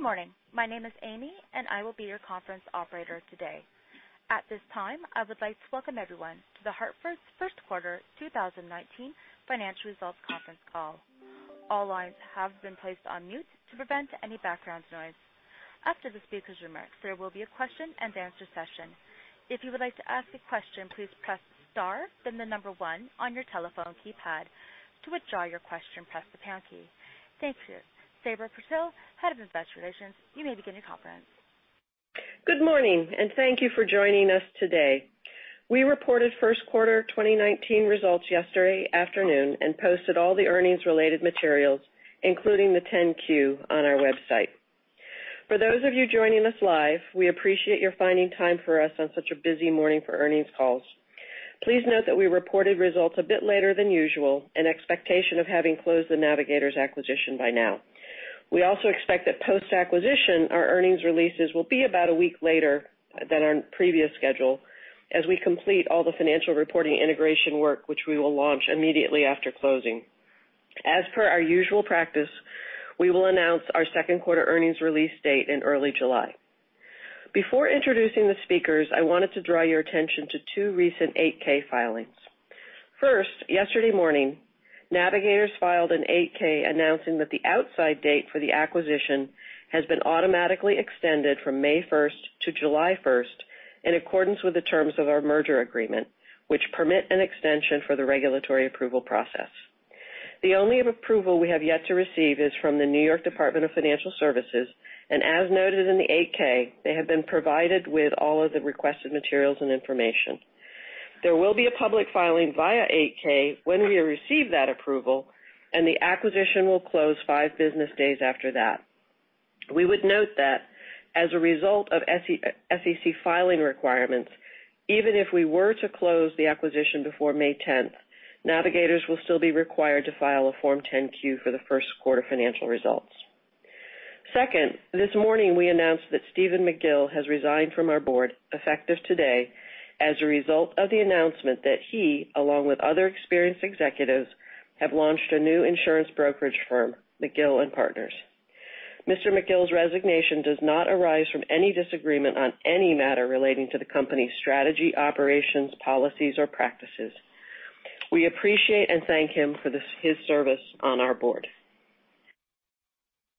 Good morning. My name is Amy, I will be your conference operator today. At this time, I would like to welcome everyone to The Hartford's first quarter 2019 financial results conference call. All lines have been placed on mute to prevent any background noise. After the speakers remark, there will be a question and answer session. If you would like to ask a question, please press star then the number 1 on your telephone keypad. To withdraw your question, press the pound key. Thank you. Sabra Purtill, Head of Investor Relations, you may begin your conference. Good morning, thank you for joining us today. We reported first quarter 2019 results yesterday afternoon and posted all the earnings related materials, including the 10Q on our website. For those of you joining us live, we appreciate your finding time for us on such a busy morning for earnings calls. Please note that we reported results a bit later than usual in expectation of having closed the Navigators acquisition by now. We also expect that post-acquisition, our earnings releases will be about a week later than our previous schedule as we complete all the financial reporting integration work, which we will launch immediately after closing. As per our usual practice, we will announce our second quarter earnings release date in early July. Before introducing the speakers, I wanted to draw your attention to two recent 8-K filings. First, yesterday morning, Navigators filed an 8-K announcing that the outside date for the acquisition has been automatically extended from May 1st to July 1st in accordance with the terms of our merger agreement, which permit an extension for the regulatory approval process. The only approval we have yet to receive is from the New York State Department of Financial Services. As noted in the 8-K, they have been provided with all of the requested materials and information. There will be a public filing via 8-K when we receive that approval. The acquisition will close five business days after that. We would note that as a result of SEC filing requirements, even if we were to close the acquisition before May 10th, Navigators will still be required to file a Form 10-Q for the first quarter financial results. Second, this morning we announced that Steven McGill has resigned from our board effective today as a result of the announcement that he, along with other experienced executives, have launched a new insurance brokerage firm, McGill & Partners. Mr. McGill's resignation does not arise from any disagreement on any matter relating to the company's strategy, operations, policies, or practices. We appreciate and thank him for his service on our board.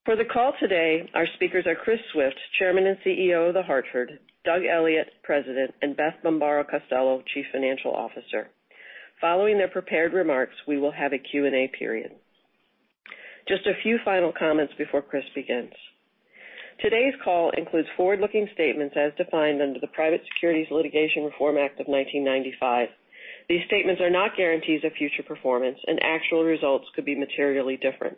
For the call today, our speakers are Chris Swift, Chairman and CEO of The Hartford; Doug Elliott, President; and Beth Bombara, Chief Financial Officer. Following their prepared remarks, we will have a Q&A period. Just a few final comments before Chris begins. Today's call includes forward-looking statements as defined under the Private Securities Litigation Reform Act of 1995. These statements are not guarantees of future performance. Actual results could be materially different.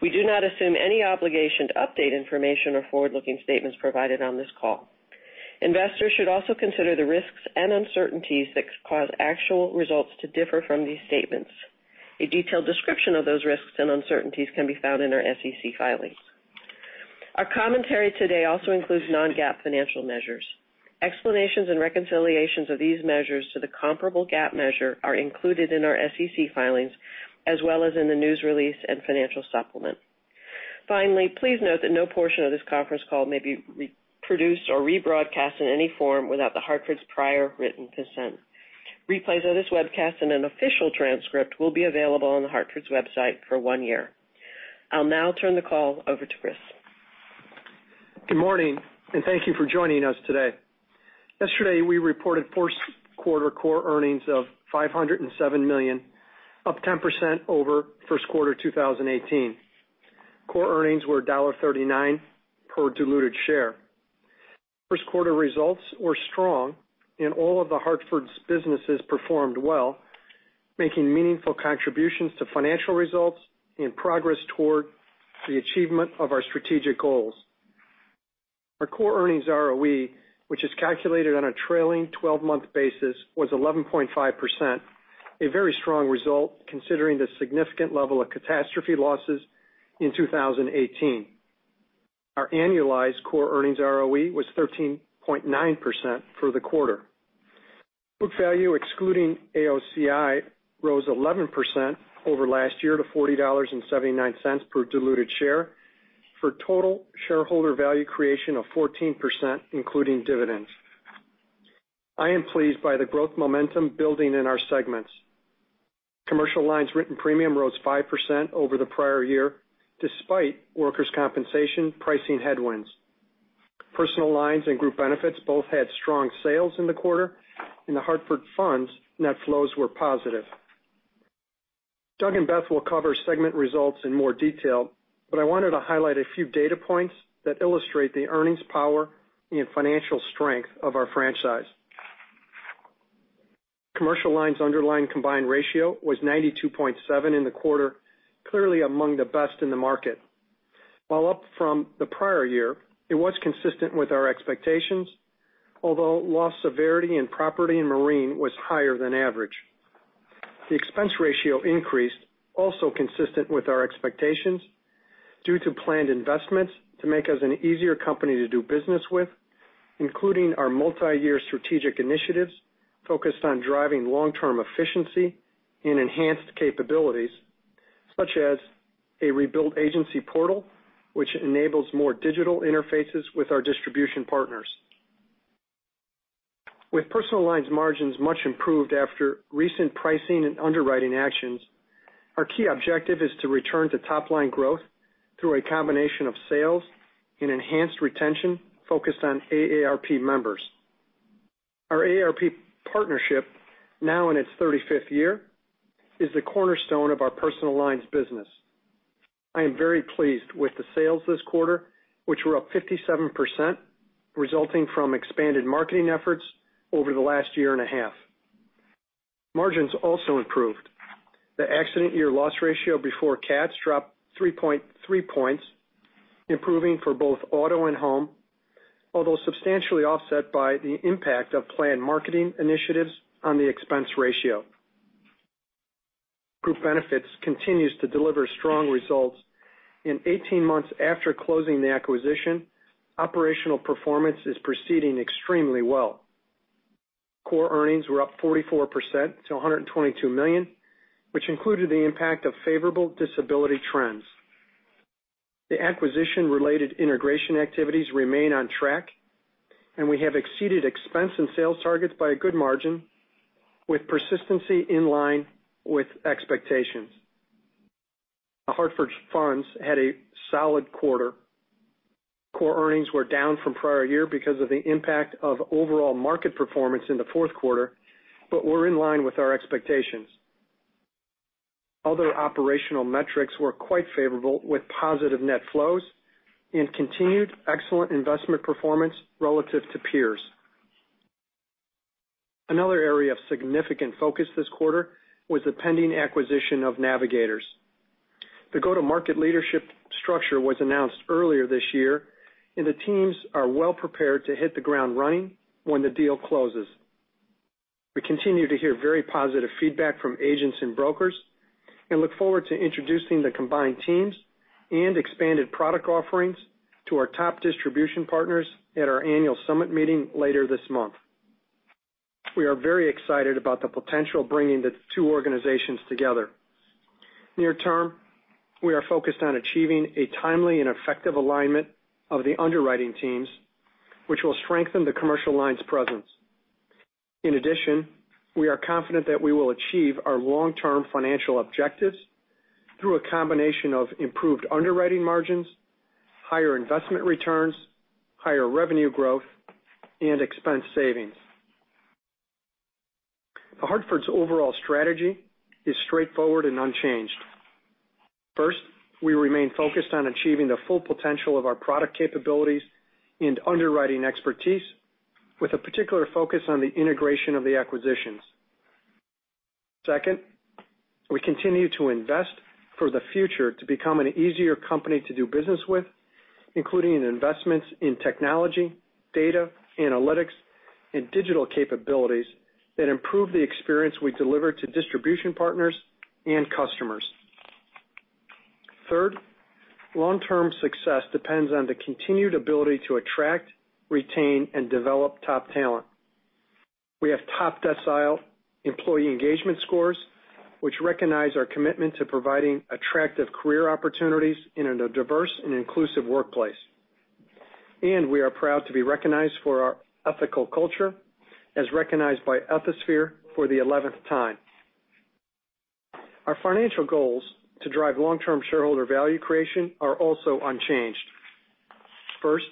We do not assume any obligation to update information or forward-looking statements provided on this call. Investors should also consider the risks and uncertainties that cause actual results to differ from these statements. A detailed description of those risks and uncertainties can be found in our SEC filings. Our commentary today also includes non-GAAP financial measures. Explanations and reconciliations of these measures to the comparable GAAP measure are included in our SEC filings as well as in the news release and financial supplement. Finally, please note that no portion of this conference call may be reproduced or rebroadcast in any form without The Hartford's prior written consent. Replays of this webcast and an official transcript will be available on The Hartford's website for one year. I'll now turn the call over to Chris. Good morning. Thank you for joining us today. Yesterday, we reported first quarter core earnings of $507 million, up 10% over first quarter 2018. Core earnings were $1.39 per diluted share. First quarter results were strong and all of The Hartford's businesses performed well, making meaningful contributions to financial results and progress toward the achievement of our strategic goals. Our core earnings ROE, which is calculated on a trailing 12-month basis, was 11.5%, a very strong result considering the significant level of catastrophe losses in 2018. Our annualized core earnings ROE was 13.9% for the quarter. Book value excluding AOCI rose 11% over last year to $40.79 per diluted share for total shareholder value creation of 14%, including dividends. I am pleased by the growth momentum building in our segments. Commercial Lines written premium rose 5% over the prior year despite workers' compensation pricing headwinds. Personal Lines and Group Benefits both had strong sales in the quarter. The Hartford Funds, net flows were positive. Doug and Beth will cover segment results in more detail, but I wanted to highlight a few data points that illustrate the earnings power and financial strength of our franchise. Commercial Lines underlying combined ratio was 92.7 in the quarter, clearly among the best in the market. While up from the prior year, it was consistent with our expectations, although loss severity in property and marine was higher than average. The expense ratio increase, also consistent with our expectations due to planned investments to make us an easier company to do business with, including our multi-year strategic initiatives focused on driving long-term efficiency and enhanced capabilities, such as a rebuilt agency portal, which enables more digital interfaces with our distribution partners. Personal Lines margins much improved after recent pricing and underwriting actions, our key objective is to return to top-line growth through a combination of sales and enhanced retention focused on AARP members. Our AARP partnership, now in its 35th year, is the cornerstone of our Personal Lines business. I am very pleased with the sales this quarter, which were up 57%, resulting from expanded marketing efforts over the last year and a half. Margins also improved. The accident year loss ratio before CATs dropped 3.3 points, improving for both auto and home, although substantially offset by the impact of planned marketing initiatives on the expense ratio. Group Benefits continues to deliver strong results. In 18 months after closing the acquisition, operational performance is proceeding extremely well. Core earnings were up 44% to $122 million, which included the impact of favorable disability trends. The acquisition-related integration activities remain on track, and we have exceeded expense and sales targets by a good margin, with persistency in line with expectations. Hartford Funds had a solid quarter. Core earnings were down from prior year because of the impact of overall market performance in the fourth quarter, but were in line with our expectations. Other operational metrics were quite favorable, with positive net flows and continued excellent investment performance relative to peers. Another area of significant focus this quarter was the pending acquisition of Navigators. The go-to-market leadership structure was announced earlier this year, and the teams are well prepared to hit the ground running when the deal closes. We continue to hear very positive feedback from agents and brokers and look forward to introducing the combined teams and expanded product offerings to our top distribution partners at our annual summit meeting later this month. We are very excited about the potential of bringing the two organizations together. Near term, we are focused on achieving a timely and effective alignment of the underwriting teams, which will strengthen the Commercial Lines presence. In addition, we are confident that we will achieve our long-term financial objectives through a combination of improved underwriting margins, higher investment returns, higher revenue growth, and expense savings. The Hartford's overall strategy is straightforward and unchanged. First, we remain focused on achieving the full potential of our product capabilities and underwriting expertise, with a particular focus on the integration of the acquisitions. Second, we continue to invest for the future to become an easier company to do business with, including investments in technology, data, analytics, and digital capabilities that improve the experience we deliver to distribution partners and customers. Third, long-term success depends on the continued ability to attract, retain, and develop top talent. We have top-decile employee engagement scores, which recognize our commitment to providing attractive career opportunities in a diverse and inclusive workplace. We are proud to be recognized for our ethical culture, as recognized by Ethisphere for the 11th time. Our financial goals to drive long-term shareholder value creation are also unchanged. First,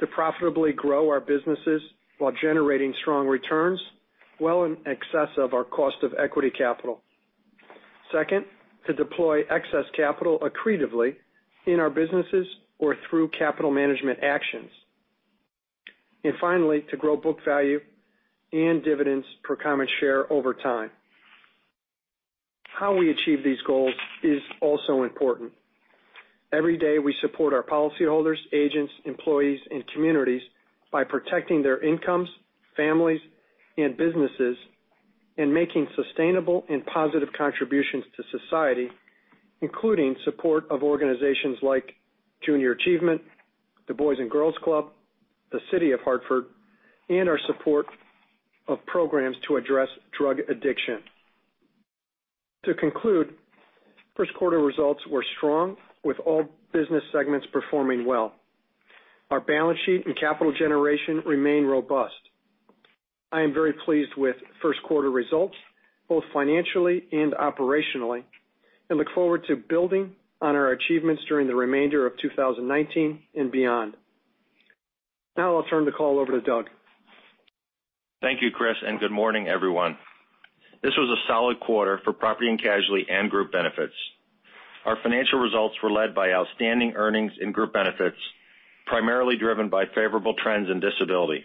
to profitably grow our businesses while generating strong returns well in excess of our cost of equity capital. Second, to deploy excess capital accretively in our businesses or through capital management actions. Finally, to grow book value and dividends per common share over time. How we achieve these goals is also important. Every day, we support our policyholders, agents, employees, and communities by protecting their incomes, families, and businesses, and making sustainable and positive contributions to society, including support of organizations like Junior Achievement, the Boys & Girls Club, the City of Hartford, and our support of programs to address drug addiction. To conclude, first quarter results were strong, with all business segments performing well. Our balance sheet and capital generation remain robust. I am very pleased with first quarter results, both financially and operationally, and look forward to building on our achievements during the remainder of 2019 and beyond. Now I'll turn the call over to Doug. Thank you, Chris, and good morning, everyone. This was a solid quarter for Property & Casualty and Group Benefits. Our financial results were led by outstanding earnings in Group Benefits, primarily driven by favorable trends in disability.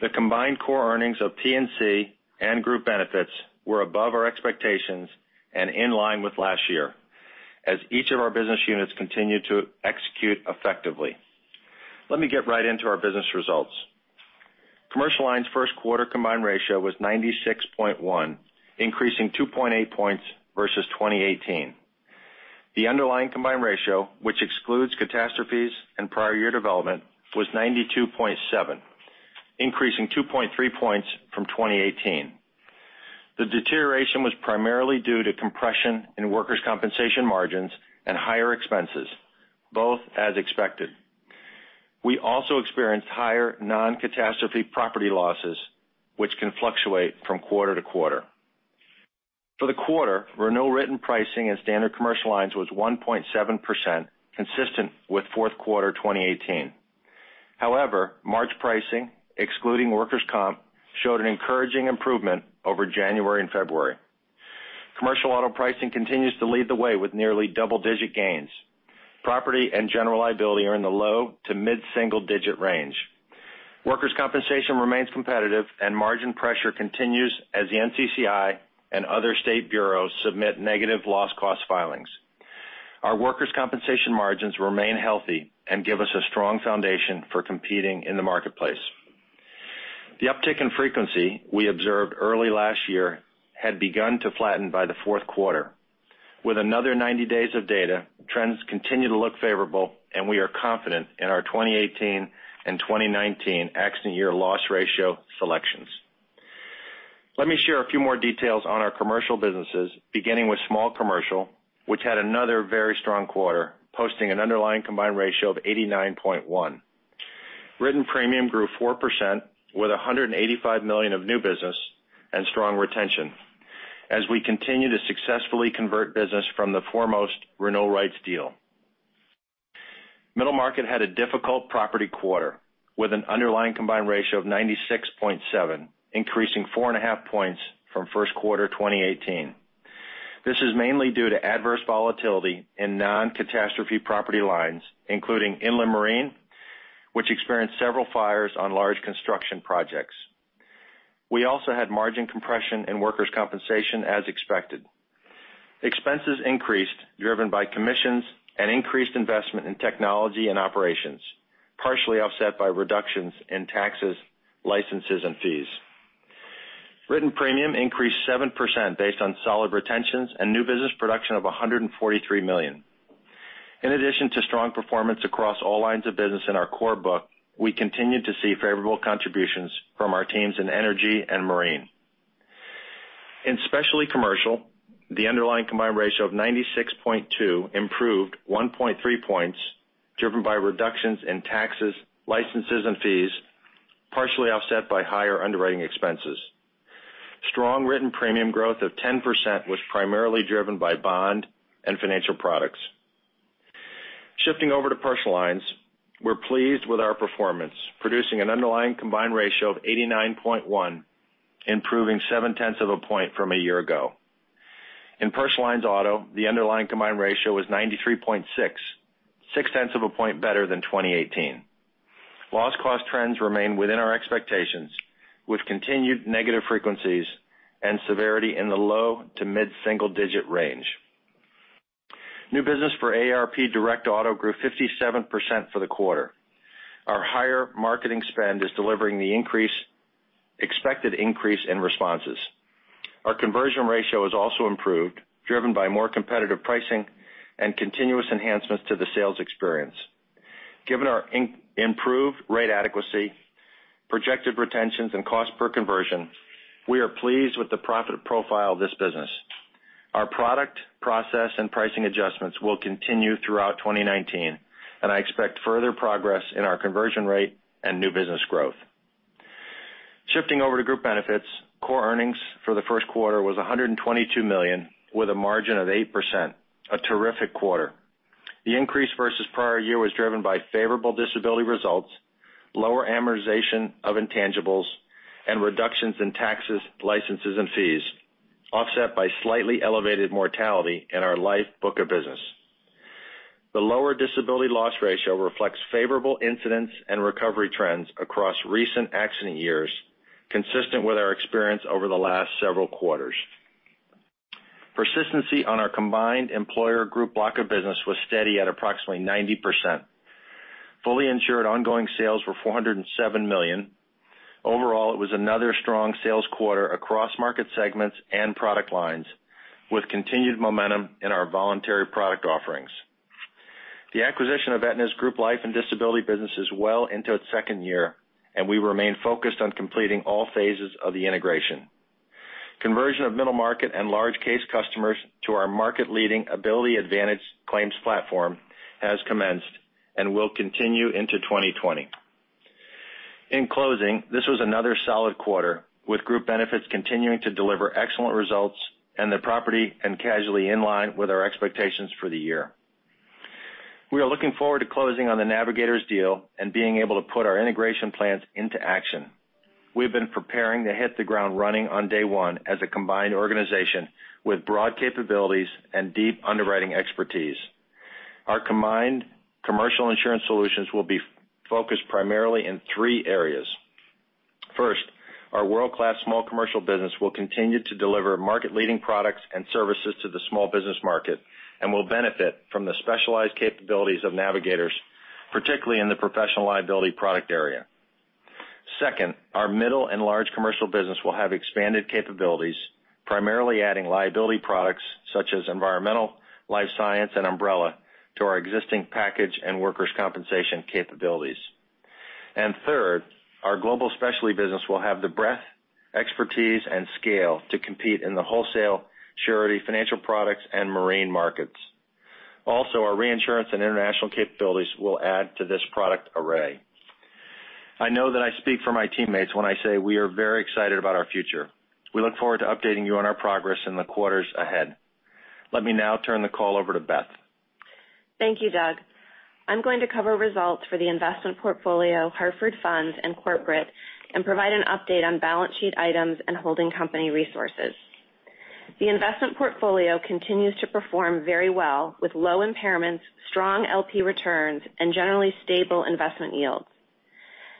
The combined core earnings of P&C and Group Benefits were above our expectations and in line with last year, as each of our business units continued to execute effectively. Let me get right into our business results. Commercial Lines' first quarter combined ratio was 96.1, increasing 2.8 points versus 2018. The underlying combined ratio, which excludes Catastrophes and prior year development, was 92.7, increasing 2.3 points from 2018. The deterioration was primarily due to compression in workers' compensation margins and higher expenses, both as expected. We also experienced higher non-Catastrophe property losses, which can fluctuate from quarter to quarter. For the quarter, renewal written pricing in Standard Commercial Lines was 1.7%, consistent with fourth quarter 2018. March pricing, excluding workers' comp, showed an encouraging improvement over January and February. Commercial auto pricing continues to lead the way with nearly double-digit gains. Property and general liability are in the low to mid-single digit range. Workers' compensation remains competitive and margin pressure continues as the NCCI and other state bureaus submit negative loss cost filings. Our workers' compensation margins remain healthy and give us a strong foundation for competing in the marketplace. The uptick in frequency we observed early last year had begun to flatten by the fourth quarter. With another 90 days of data, trends continue to look favorable, and we are confident in our 2018 and 2019 accident year loss ratio selections. Let me share a few more details on our commercial businesses, beginning with Small Commercial, which had another very strong quarter, posting an underlying combined ratio of 89.1. Written premium grew 4% with $185 million of new business and strong retention as we continue to successfully convert business from the Foremost renewal rights deal. Middle Market had a difficult property quarter with an underlying combined ratio of 96.7, increasing 4.5 points from first quarter 2018. This is mainly due to adverse volatility in non-Catastrophe property lines, including inland marine, which experienced several fires on large construction projects. We also had margin compression in workers' compensation as expected. Expenses increased, driven by commissions and increased investment in technology and operations, partially offset by reductions in taxes, licenses, and fees. Written premium increased 7% based on solid retentions and new business production of $143 million. In addition to strong performance across all lines of business in our core book, we continued to see favorable contributions from our teams in energy and marine. In Specialty Commercial, the underlying combined ratio of 96.2 improved 1.3 points, driven by reductions in taxes, licenses, and fees, partially offset by higher underwriting expenses. Strong written premium growth of 10% was primarily driven by bond and financial products. Shifting over to Personal Lines, we're pleased with our performance, producing an underlying combined ratio of 89.1, improving 0.7 of a point from a year ago. In Personal Lines Auto, the underlying combined ratio was 93.6, 0.6 of a point better than 2018. Loss cost trends remain within our expectations, with continued negative frequencies and severity in the low to mid-single digit range. New business for AARP Direct Auto grew 57% for the quarter. Our higher marketing spend is delivering the expected increase in responses. Our conversion ratio has also improved, driven by more competitive pricing and continuous enhancements to the sales experience. Given our improved rate adequacy, projected retentions, and cost per conversion, we are pleased with the profit profile of this business. Our product, process, and pricing adjustments will continue throughout 2019, and I expect further progress in our conversion rate and new business growth. Shifting over to Group Benefits, core earnings for the first quarter was $122 million, with a margin of 8%, a terrific quarter. The increase versus prior year was driven by favorable disability results, lower amortization of intangibles, and reductions in taxes, licenses, and fees, offset by slightly elevated mortality in our life book of business. The lower disability loss ratio reflects favorable incidents and recovery trends across recent accident years, consistent with our experience over the last several quarters. Persistency on our combined employer group block of business was steady at approximately 90%. Fully insured ongoing sales were $407 million. Overall, it was another strong sales quarter across market segments and product lines, with continued momentum in our voluntary product offerings. The acquisition of Aetna's group life and disability business is well into its second year, and we remain focused on completing all phases of the integration. Conversion of middle market and large case customers to our market-leading Ability Advantage claims platform has commenced and will continue into 2020. In closing, this was another solid quarter, with Group Benefits continuing to deliver excellent results and the property and casualty in line with our expectations for the year. We are looking forward to closing on the Navigators deal and being able to put our integration plans into action. We've been preparing to hit the ground running on day one as a combined organization with broad capabilities and deep underwriting expertise. Our combined commercial insurance solutions will be focused primarily in three areas. First, our world-class small commercial business will continue to deliver market-leading products and services to the small business market and will benefit from the specialized capabilities of Navigators, particularly in the professional liability product area. Second, our middle and large commercial business will have expanded capabilities, primarily adding liability products such as environmental, life science, and umbrella to our existing package and workers' compensation capabilities. Third, our global specialty business will have the breadth, expertise, and scale to compete in the wholesale surety financial products and marine markets. Also, our reinsurance and international capabilities will add to this product array. I know that I speak for my teammates when I say we are very excited about our future. We look forward to updating you on our progress in the quarters ahead. Let me now turn the call over to Beth. Thank you, Doug. I'm going to cover results for the investment portfolio, Hartford Funds, and corporate, and provide an update on balance sheet items and holding company resources. The investment portfolio continues to perform very well, with low impairments, strong LP returns, and generally stable investment yields.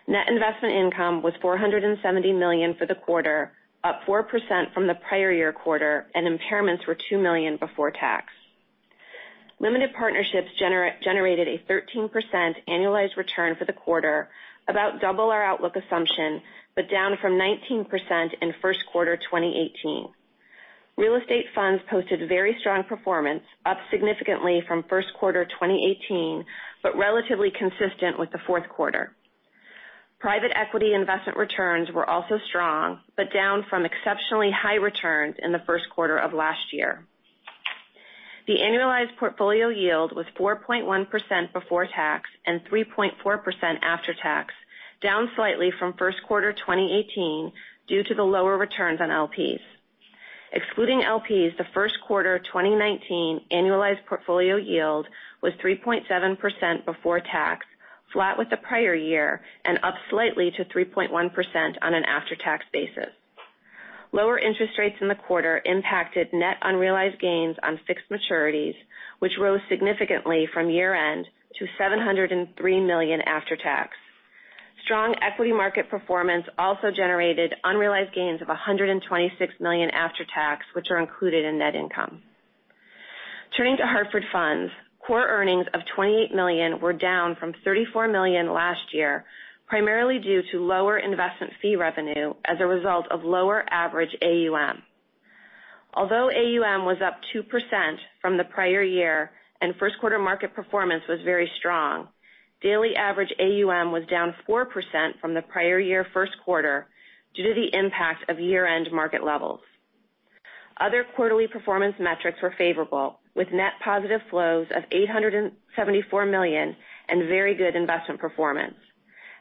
Net investment income was $470 million for the quarter, up 4% from the prior year quarter, and impairments were $2 million before tax. Limited partnerships generated a 13% annualized return for the quarter, about double our outlook assumption, but down from 19% in first quarter 2018. Real estate funds posted very strong performance, up significantly from first quarter 2018, but relatively consistent with the fourth quarter. Private equity investment returns were also strong, but down from exceptionally high returns in the first quarter of last year. The annualized portfolio yield was 4.1% before tax and 3.4% after tax, down slightly from first quarter 2018 due to the lower returns on LPs. Excluding LPs, the first quarter 2019 annualized portfolio yield was 3.7% before tax, flat with the prior year, and up slightly to 3.1% on an after-tax basis. Lower interest rates in the quarter impacted net unrealized gains on fixed maturities, which rose significantly from year-end to $703 million after tax. Strong equity market performance also generated unrealized gains of $126 million after tax, which are included in net income. Turning to Hartford Funds, core earnings of $28 million were down from $34 million last year, primarily due to lower investment fee revenue as a result of lower average AUM. Although AUM was up 2% from the prior year and first-quarter market performance was very strong, daily average AUM was down 4% from the prior year first quarter due to the impact of year-end market levels. Other quarterly performance metrics were favorable, with net positive flows of $874 million and very good investment performance.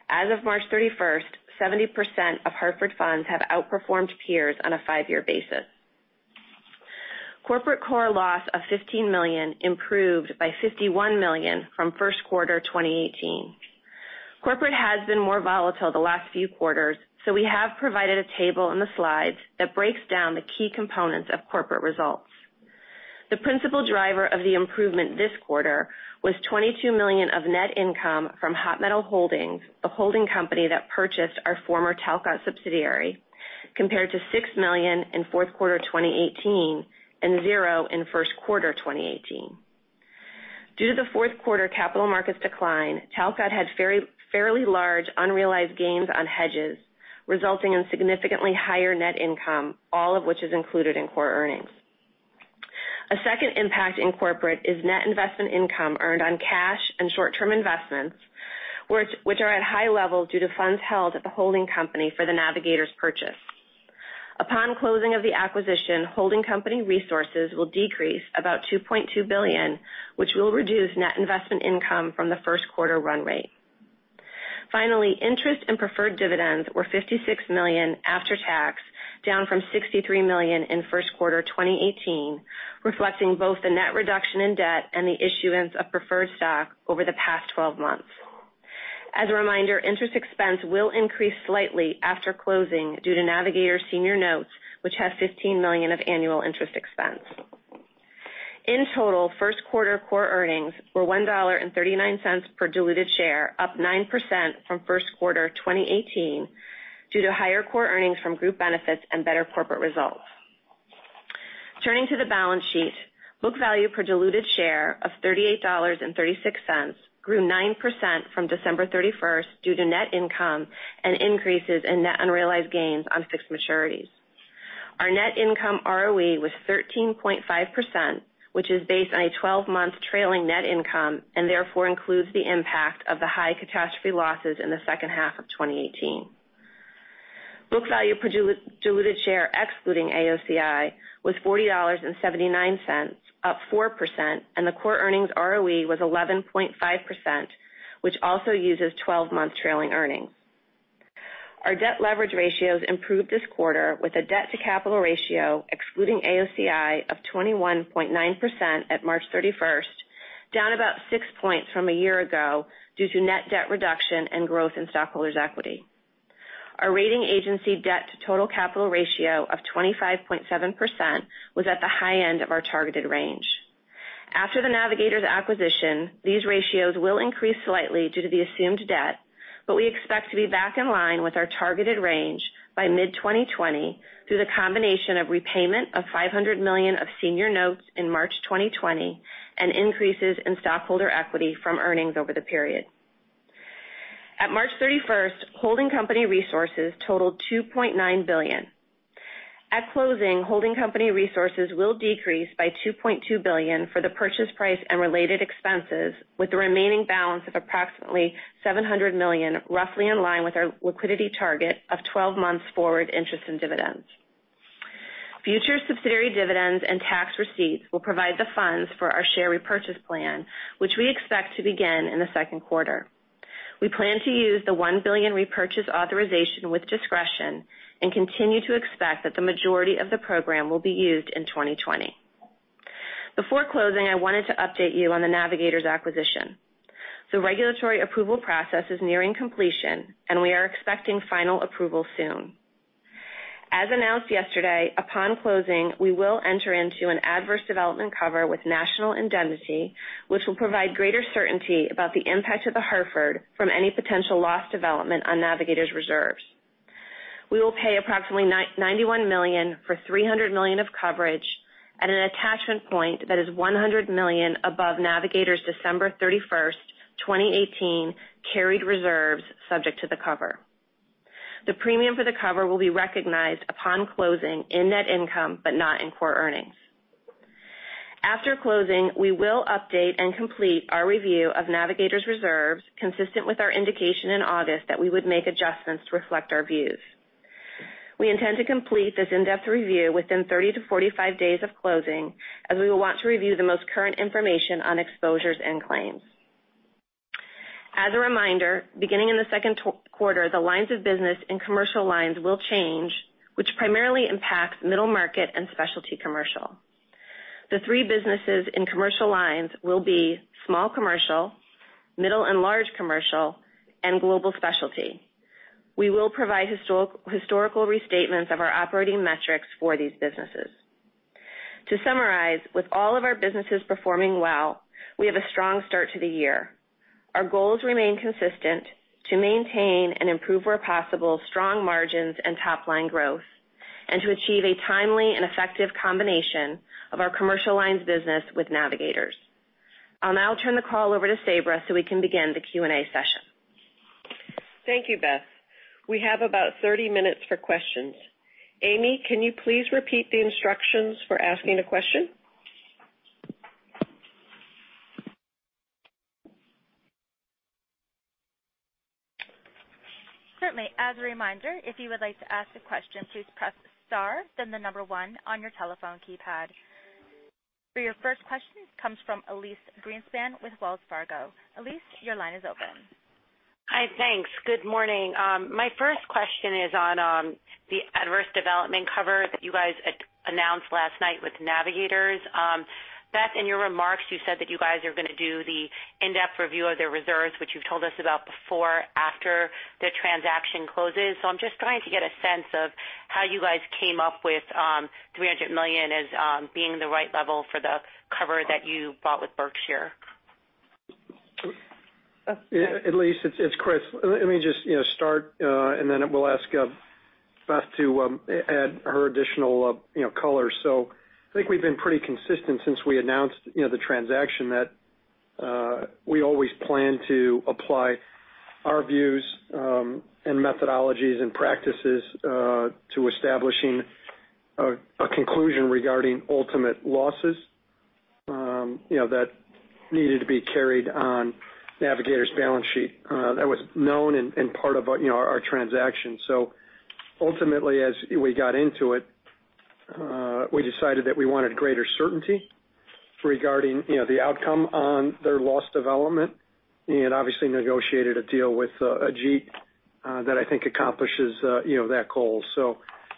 As of March 31st, 70% of Hartford Funds have outperformed peers on a five-year basis. Corporate core loss of $15 million improved by $51 million from first quarter 2018. Corporate has been more volatile the last few quarters. We have provided a table in the slides that breaks down the key components of corporate results. The principal driver of the improvement this quarter was $22 million of net income from Hot Metal Holdings, a holding company that purchased our former Talcott subsidiary, compared to $6 million in fourth quarter 2018 and zero in first quarter 2018. Due to the fourth quarter capital markets decline, Talcott had fairly large unrealized gains on hedges, resulting in significantly higher net income, all of which is included in core earnings. A second impact in corporate is net investment income earned on cash and short-term investments, which are at high levels due to funds held at the holding company for the Navigators purchase. Upon closing of the acquisition, holding company resources will decrease about $2.2 billion, which will reduce net investment income from the first quarter run rate. Finally, interest and preferred dividends were $56 million after tax, down from $63 million in first quarter 2018, reflecting both the net reduction in debt and the issuance of preferred stock over the past 12 months. As a reminder, interest expense will increase slightly after closing due to Navigators senior notes, which have $15 million of annual interest expense. In total, first quarter core earnings were $1.39 per diluted share, up 9% from first quarter 2018 due to higher core earnings from group benefits and better corporate results. Turning to the balance sheet, book value per diluted share of $38.36 grew 9% from December 31st due to net income and increases in net unrealized gains on fixed maturities. Our net income ROE was 13.5%, which is based on a 12-month trailing net income and therefore includes the impact of the high catastrophe losses in the second half of 2018. Book value per diluted share excluding AOCI was $40.79, up 4%. The core earnings ROE was 11.5%, which also uses 12 months trailing earnings. Our debt leverage ratios improved this quarter with a debt to capital ratio excluding AOCI of 21.9% at March 31st, down about six points from a year ago due to net debt reduction and growth in stockholders' equity. Our rating agency debt to total capital ratio of 25.7% was at the high end of our targeted range. After the Navigators acquisition, these ratios will increase slightly due to the assumed debt, we expect to be back in line with our targeted range by mid-2020 through the combination of repayment of $500 million of senior notes in March 2020 and increases in stockholder equity from earnings over the period. At March 31st, holding company resources totaled $2.9 billion. At closing, holding company resources will decrease by $2.2 billion for the purchase price and related expenses, with the remaining balance of approximately $700 million, roughly in line with our liquidity target of 12 months forward interest and dividends. Future subsidiary dividends and tax receipts will provide the funds for our share repurchase plan, which we expect to begin in the second quarter. We plan to use the $1 billion repurchase authorization with discretion and continue to expect that the majority of the program will be used in 2020. Before closing, I wanted to update you on the Navigators acquisition. The regulatory approval process is nearing completion, we are expecting final approval soon. As announced yesterday, upon closing, we will enter into an adverse development cover with National Indemnity, which will provide greater certainty about the impact of The Hartford from any potential loss development on Navigators reserves. We will pay approximately $91 million for $300 million of coverage at an attachment point that is $100 million above Navigators December 31st, 2018, carried reserves subject to the cover. The premium for the cover will be recognized upon closing in net income, but not in core earnings. After closing, we will update and complete our review of Navigators reserves, consistent with our indication in August that we would make adjustments to reflect our views. We intend to complete this in-depth review within 30 to 45 days of closing, as we will want to review the most current information on exposures and claims. As a reminder, beginning in the second quarter, the lines of business and commercial lines will change, which primarily impacts middle market and specialty commercial. The three businesses in commercial lines will be small commercial, middle and large commercial, and global specialty. We will provide historical restatements of our operating metrics for these businesses. To summarize, with all of our businesses performing well, we have a strong start to the year. Our goals remain consistent to maintain and improve where possible strong margins and top-line growth and to achieve a timely and effective combination of our commercial lines business with Navigators. I'll now turn the call over to Sabra so we can begin the Q&A session. Thank you, Beth. We have about 30 minutes for questions. Amy, can you please repeat the instructions for asking a question? Certainly. As a reminder, if you would like to ask a question, please press star, then the number one on your telephone keypad. For your first question, comes from Elyse Greenspan with Wells Fargo. Elyse, your line is open. Hi. Thanks. Good morning. My first question is on the adverse development cover that you guys announced last night with Navigators. Beth, in your remarks, you said that you guys are going to do the in-depth review of their reserves, which you've told us about before, after the transaction closes. I'm just trying to get a sense of how you guys came up with $300 million as being the right level for the cover that you bought with Berkshire. Beth. Elyse, it's Chris. Let me just start, and then we'll ask Beth to add her additional color. I think we've been pretty consistent since we announced the transaction that we always plan to apply our views and methodologies and practices to establishing a conclusion regarding ultimate losses that needed to be carried on Navigators' balance sheet. That was known and part of our transaction. Ultimately, as we got into it, we decided that we wanted greater certainty regarding the outcome on their loss development and obviously negotiated a deal with Ajit that I think accomplishes that goal.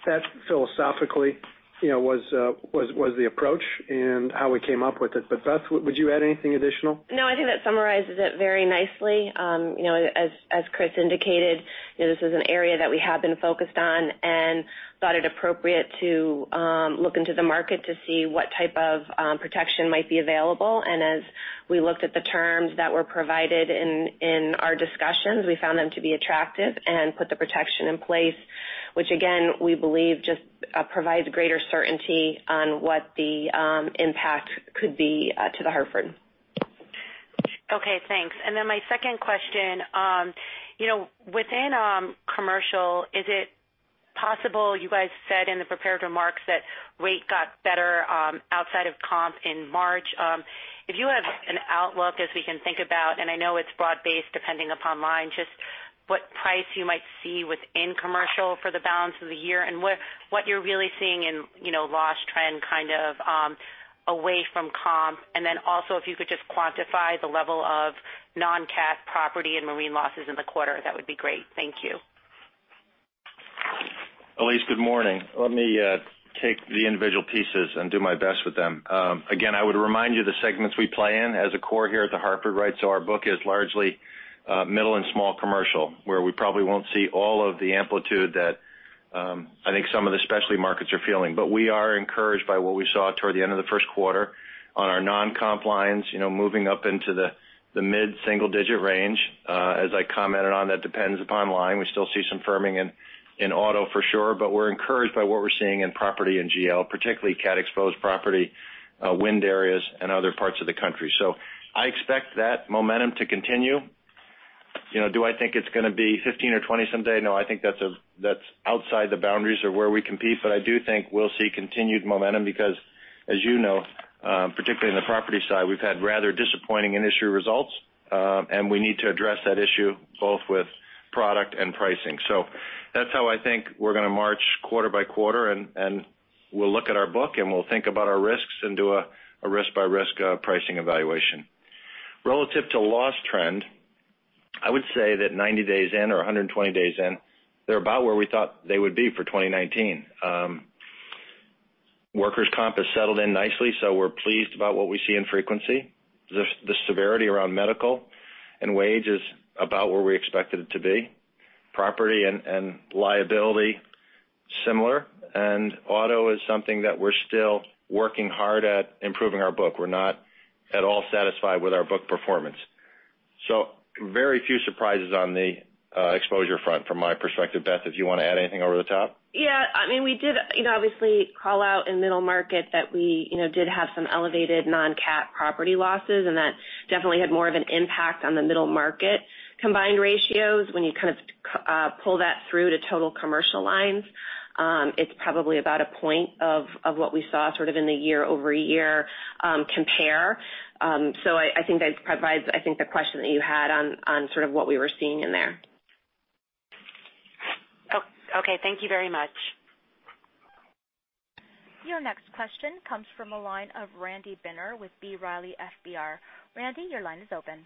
That philosophically was the approach and how we came up with it. Beth, would you add anything additional? No, I think that summarizes it very nicely. As Chris indicated, this is an area that we have been focused on and thought it appropriate to look into the market to see what type of protection might be available. As we looked at the terms that were provided in our discussions, we found them to be attractive and put the protection in place, which again, we believe just provides greater certainty on what the impact could be to The Hartford. Okay, thanks. My second question, within commercial, is it possible you guys said in the prepared remarks that rate got better outside of comp in March. If you have an outlook as we can think about, and I know it's broad-based depending upon line, just what price you might see within commercial for the balance of the year and what you're really seeing in loss trend away from comp. Also, if you could just quantify the level of non-cat property and marine losses in the quarter, that would be great. Thank you. Elyse, good morning. Let me take the individual pieces and do my best with them. Again, I would remind you the segments we play in as a core here at The Hartford, our book is largely middle and small commercial, where we probably won't see all of the amplitude that I think some of the specialty markets are feeling. We are encouraged by what we saw toward the end of the first quarter on our non-comp lines, moving up into the mid-single-digit range. As I commented on, that depends upon line. We still see some firming in auto for sure, but we're encouraged by what we're seeing in property and GL, particularly cat-exposed property Wind areas and other parts of the country. I expect that momentum to continue. Do I think it's going to be 15 or 20 someday? No, I think that's outside the boundaries of where we compete, but I do think we'll see continued momentum because, as you know, particularly in the property side, we've had rather disappointing initial results. We need to address that issue both with product and pricing. That's how I think we're going to march quarter by quarter, and we'll look at our book and we'll think about our risks and do a risk-by-risk pricing evaluation. Relative to loss trend, I would say that 90 days in or 120 days in, they're about where we thought they would be for 2019. Workers' comp has settled in nicely, so we're pleased about what we see in frequency. The severity around medical and wage is about where we expected it to be. Property and liability, similar. Auto is something that we're still working hard at improving our book. We're not at all satisfied with our book performance. Very few surprises on the exposure front from my perspective. Beth, if you want to add anything over the top? Yeah. We did obviously call out in middle market that we did have some elevated non-Cat property losses. That definitely had more of an impact on the middle market combined ratios. When you pull that through to total commercial lines, it's probably about a point of what we saw sort of in the year-over-year compare. I think that provides the question that you had on sort of what we were seeing in there. Okay, thank you very much. Your next question comes from the line of Randy Binner with B. Riley FBR. Randy, your line is open.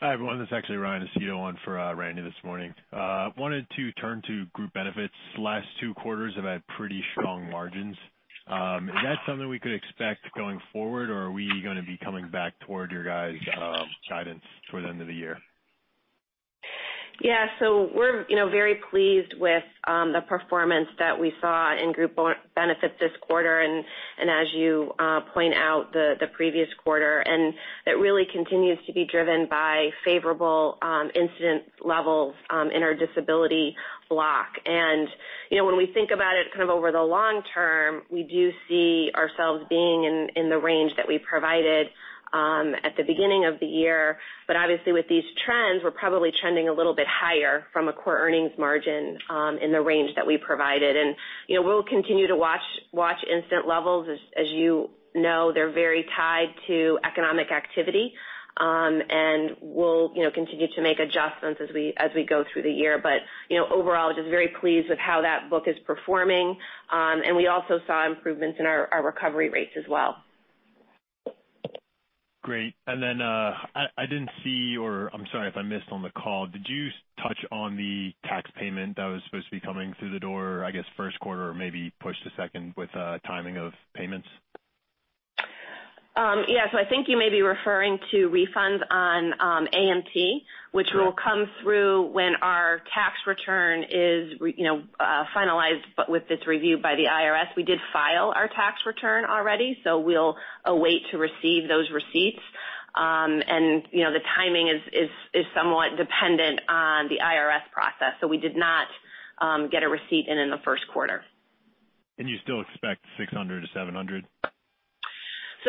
Hi, everyone. This is actually Ryan Aceto on for Randy this morning. Wanted to turn to Group Benefits. Last two quarters have had pretty strong margins. Is that something we could expect going forward, or are we going to be coming back toward your guys' guidance toward the end of the year? Yeah. We're very pleased with the performance that we saw in Group Benefits this quarter, and as you point out, the previous quarter, and that really continues to be driven by favorable incident levels in our disability block. When we think about it kind of over the long term, we do see ourselves being in the range that we provided at the beginning of the year. Obviously, with these trends, we're probably trending a little bit higher from a core earnings margin in the range that we provided. We'll continue to watch incident levels. As you know, they're very tied to economic activity. We'll continue to make adjustments as we go through the year. Overall, just very pleased with how that book is performing. We also saw improvements in our recovery rates as well. Great. I didn't see, or I'm sorry if I missed on the call, did you touch on the tax payment that was supposed to be coming through the door, I guess, first quarter or maybe pushed to second with timing of payments? Yeah. I think you may be referring to refunds on AMT, which will come through when our tax return is finalized with its review by the IRS. We did file our tax return already, so we'll await to receive those receipts. The timing is somewhat dependent on the IRS process. We did not get a receipt in the first quarter. You still expect $600-$700?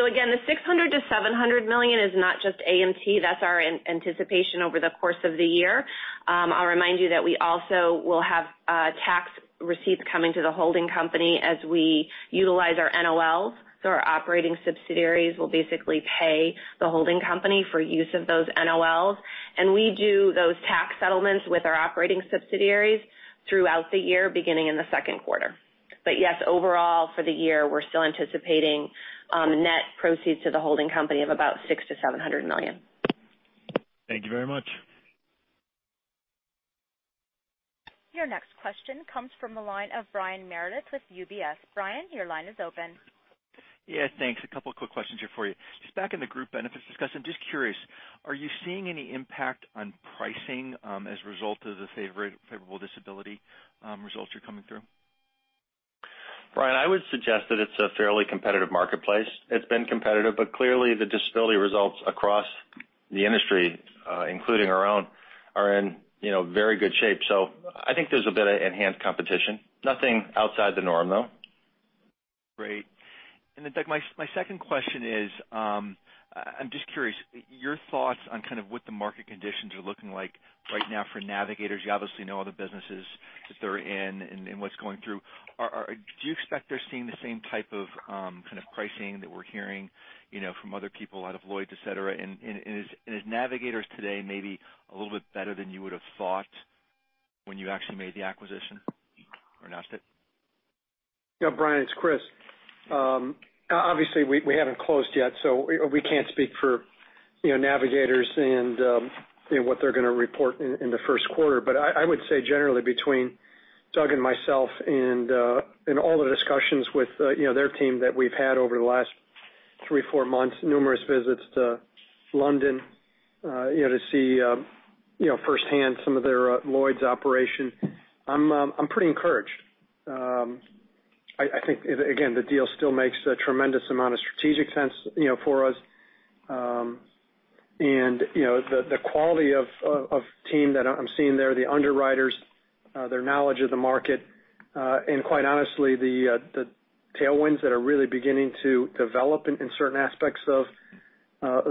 Again, the $600 million-$700 million is not just AMT. That's our anticipation over the course of the year. I'll remind you that we also will have tax receipts coming to the holding company as we utilize our NOLs. Our operating subsidiaries will basically pay the holding company for use of those NOLs, and we do those tax settlements with our operating subsidiaries throughout the year, beginning in the second quarter. Yes, overall for the year, we're still anticipating net proceeds to the holding company of about $600 million-$700 million. Thank you very much. Your next question comes from the line of Brian Meredith with UBS. Brian, your line is open. Yeah, thanks. A couple of quick questions here for you. Just back in the Group Benefits discussion, just curious, are you seeing any impact on pricing as a result of the favorable disability results you're coming through? Brian, I would suggest that it's a fairly competitive marketplace. It's been competitive, clearly, the disability results across the industry, including our own, are in very good shape. I think there's a bit of enhanced competition. Nothing outside the norm, though. Great. Doug, my second question is, I'm just curious, your thoughts on kind of what the market conditions are looking like right now for Navigators. You obviously know all the businesses that they're in and what's going through. Do you expect they're seeing the same type of kind of pricing that we're hearing from other people out of Lloyd's, et cetera? Is Navigators today maybe a little bit better than you would've thought when you actually made the acquisition or announced it? Brian, it's Chris. Obviously, we haven't closed yet, so we can't speak for Navigators and what they're going to report in the first quarter. I would say generally between Doug and myself and all the discussions with their team that we've had over the last three, four months, numerous visits to London to see firsthand some of their Lloyd's operation, I'm pretty encouraged. I think, again, the deal still makes a tremendous amount of strategic sense for us. The quality of team that I'm seeing there, the underwriters, their knowledge of the market, and quite honestly, the tailwinds that are really beginning to develop in certain aspects of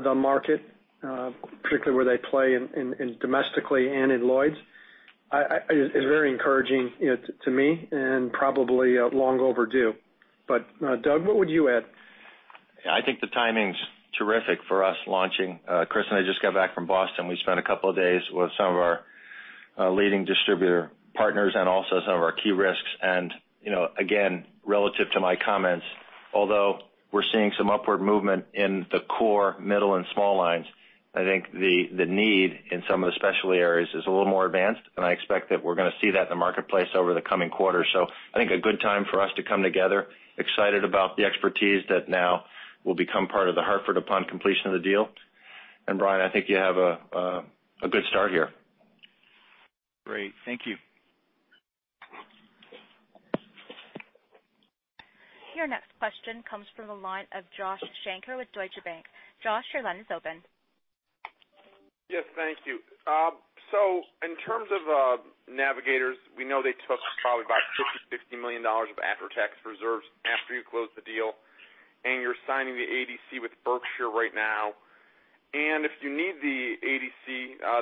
the market, particularly where they play domestically and in Lloyd's, is very encouraging to me and probably long overdue. Doug, what would you add? I think the timing's terrific for us launching. Chris and I just got back from Boston. We spent a couple of days with some of our leading distributor partners and also some of our key risks. Again, relative to my comments, although we're seeing some upward movement in the core middle and small lines, I think the need in some of the specialty areas is a little more advanced, and I expect that we're going to see that in the marketplace over the coming quarters. I think a good time for us to come together, excited about the expertise that now will become part of The Hartford upon completion of the deal. Brian, I think you have a good start here. Great. Thank you. Your next question comes from the line of Josh Shanker with Deutsche Bank. Josh, your line is open. Yes, thank you. In terms of Navigators, we know they took probably about $50 million-$60 million of after-tax reserves after you closed the deal, you're signing the ADC with Berkshire right now. If you need the ADC,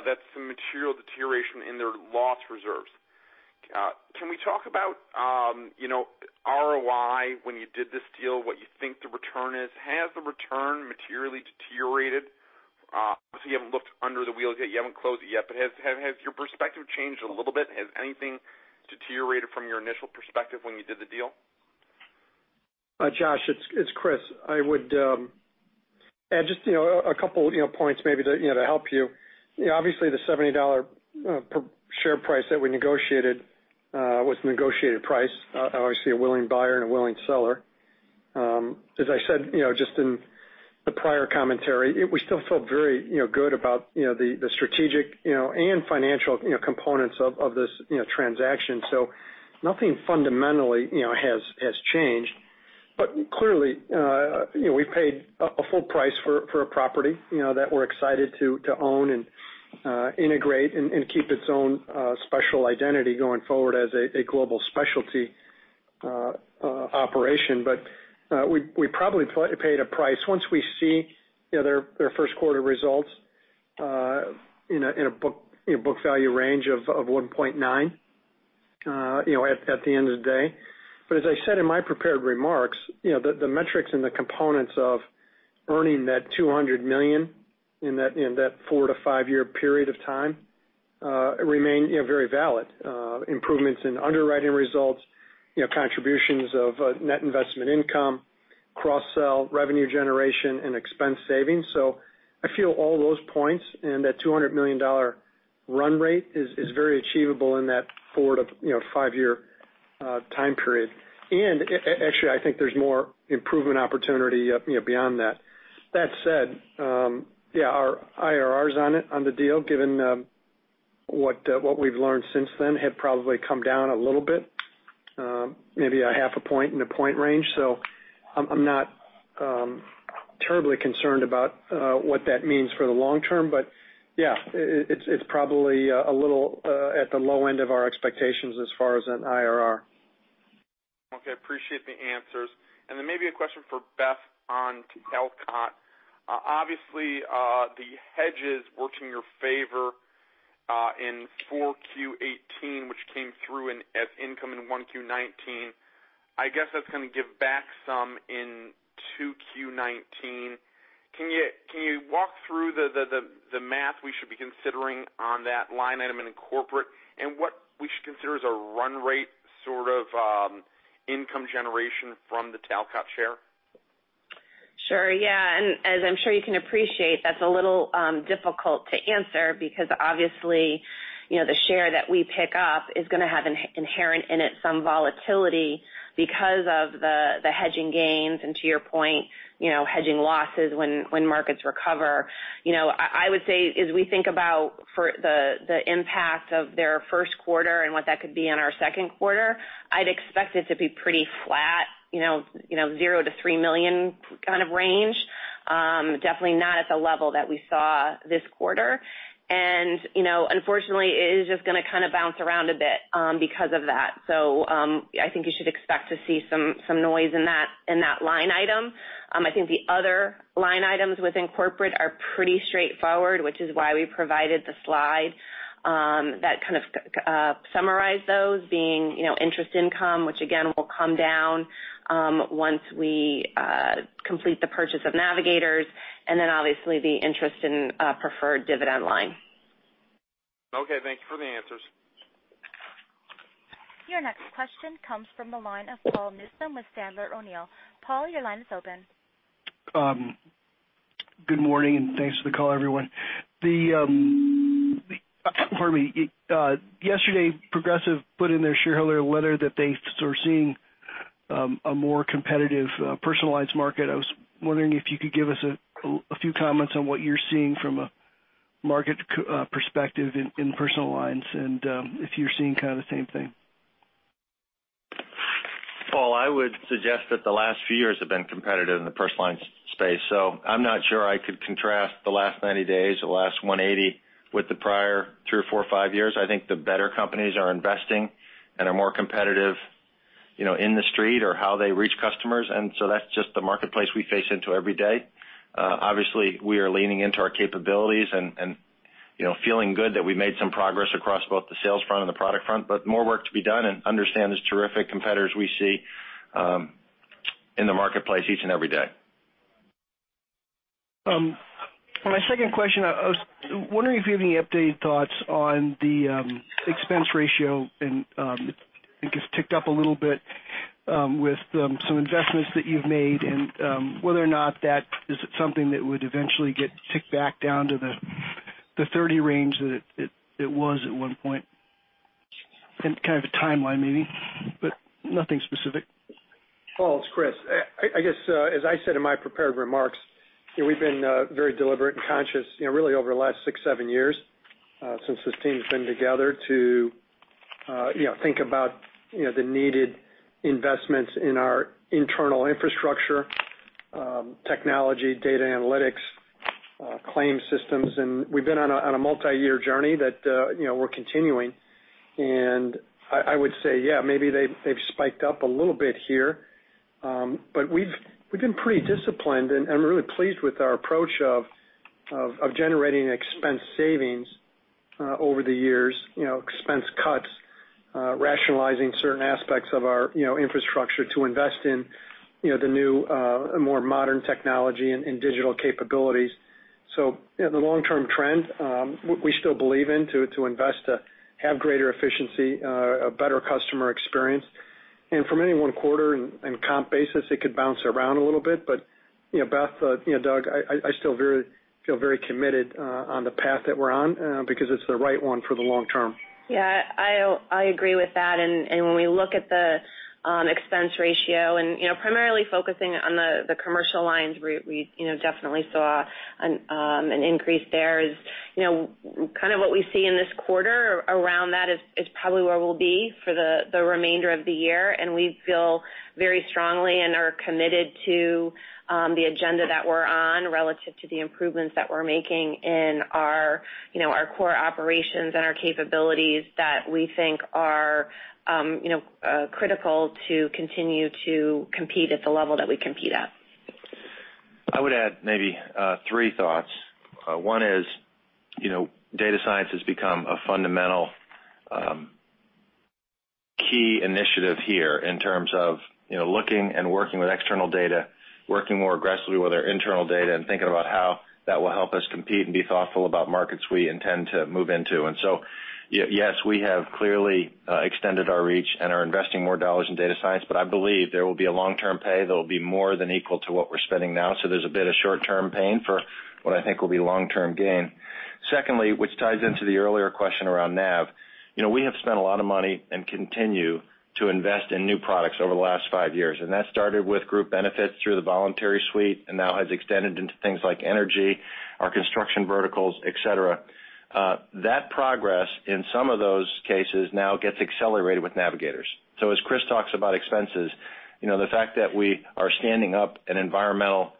that's some material deterioration in their loss reserves. Can we talk about ROI when you did this deal, what you think the return is? Has the return materially deteriorated? Obviously, you haven't looked under the wheels yet. You haven't closed it yet. Has your perspective changed a little bit? Has anything deteriorated from your initial perspective when you did the deal? Josh, it's Chris. I would add just a couple points maybe to help you. Obviously, the $70 per share price that we negotiated was a negotiated price. Obviously, a willing buyer and a willing seller. As I said just in the prior commentary, we still feel very good about the strategic and financial components of this transaction. Nothing fundamentally has changed. Clearly, we paid a full price for a property that we're excited to own and integrate and keep its own special identity going forward as a global specialty operation. We probably paid a price, once we see their first quarter results in a book value range of 1.9 at the end of the day. As I said in my prepared remarks, the metrics and the components of earning that $200 million in that four to five-year period of time remain very valid. Improvements in underwriting results, contributions of net investment income, cross-sell revenue generation, and expense savings. I feel all those points and that $200 million run rate is very achievable in that four to five-year time period. Actually, I think there's more improvement opportunity beyond that. That said, yeah, our IRRs on it, on the deal, given what we've learned since then, have probably come down a little bit, maybe a half a point in a point range. I'm not terribly concerned about what that means for the long term. Yeah, it's probably a little at the low end of our expectations as far as an IRR. Okay. Appreciate the answers. Then maybe a question for Beth on Talcott. Obviously, the hedges worked in your favor in 4Q 2018, which came through as income in 1Q 2019. I guess that's going to give back some in 2Q 2019. Can you walk through the math we should be considering on that line item in corporate and what we should consider as a run rate sort of income generation from the Talcott share? Sure, yeah. As I'm sure you can appreciate, that's a little difficult to answer because obviously, the share that we pick up is going to have inherent in it some volatility because of the hedging gains, and to your point, hedging losses when markets recover. I would say as we think about for the impact of their first quarter and what that could be on our second quarter, I'd expect it to be pretty flat, $0-$3 million kind of range. Definitely not at the level that we saw this quarter. Unfortunately, it is just going to bounce around a bit because of that. I think you should expect to see some noise in that line item. I think the other line items within corporate are pretty straightforward, which is why we provided the slide that kind of summarized those being interest income, which again, will come down once we complete the purchase of Navigators, and then obviously the interest in preferred dividend line. Okay, thank you for the answers. Your next question comes from the line of Paul Newsome with Sandler O'Neill. Paul, your line is open. Good morning, and thanks for the call, everyone. Yesterday, Progressive put in their shareholder letter that they are seeing a more competitive personal lines market. I was wondering if you could give us a few comments on what you're seeing from a market perspective in personal lines, and if you're seeing kind of the same thing. Paul, I would suggest that the last few years have been competitive in the personal lines space, so I'm not sure I could contrast the last 90 days or the last 180 with the prior three or four or five years. I think the better companies are investing and are more competitive in the street or how they reach customers. That's just the marketplace we face into every day. Obviously, we are leaning into our capabilities and feeling good that we made some progress across both the sales front and the product front, but more work to be done, and understand there's terrific competitors we see in the marketplace each and every day. My second question, I was wondering if you have any updated thoughts on the expense ratio, and it gets ticked up a little bit with some investments that you've made, and whether or not that is something that would eventually get ticked back down to the 30 range that it was at one point. Kind of a timeline maybe, but nothing specific. Paul, it's Chris. I guess, as I said in my prepared remarks, we've been very deliberate and conscious really over the last six, seven years, since this team's been together to think about the needed investments in our internal infrastructure, technology, data analytics, claims systems, and we've been on a multi-year journey that we're continuing. I would say, maybe they've spiked up a little bit here. We've been pretty disciplined, and I'm really pleased with our approach of generating expense savings over the years, expense cuts, rationalizing certain aspects of our infrastructure to invest in the new, more modern technology and digital capabilities. The long-term trend, we still believe in to invest to have greater efficiency, a better customer experience. From any one quarter and comp basis, it could bounce around a little bit. Beth, Doug, I still feel very committed on the path that we're on, because it's the right one for the long term. I agree with that, when we look at the expense ratio and primarily focusing on the commercial lines, we definitely saw an increase there. Kind of what we see in this quarter around that is probably where we'll be for the remainder of the year, we feel very strongly and are committed to the agenda that we're on relative to the improvements that we're making in our core operations and our capabilities that we think are critical to continue to compete at the level that we compete at. I would add maybe three thoughts. One is, data science has become a fundamental key initiative here in terms of looking and working with external data, working more aggressively with our internal data, and thinking about how that will help us compete and be thoughtful about markets we intend to move into. Yes, we have clearly extended our reach and are investing more dollars in data science, I believe there will be a long-term pay that'll be more than equal to what we're spending now. There's a bit of short-term pain for what I think will be long-term gain. Secondly, which ties into the earlier question around Navigators. We have spent a lot of money and continue to invest in new products over the last five years, that started with group benefits through the voluntary suite and now has extended into things like energy, our construction verticals, et cetera. That progress in some of those cases now gets accelerated with Navigators. As Chris talks about expenses, the fact that we are standing up an environmental